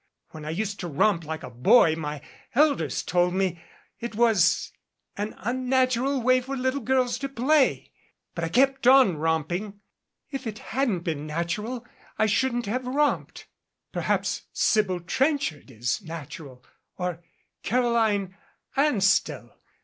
When I used to romp like a boy my elders told me it was an unnatural way for little girls to play. But I kept on romping. If it hadn't been natural I shouldn't have romped. Perhaps Sybil Trenchard is nat ural or Caroline Anstell.